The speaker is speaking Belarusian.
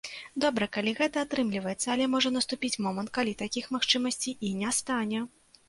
Добра, калі гэта атрымліваецца, але можа наступіць момант, калі такіх магчымасцей і не стане.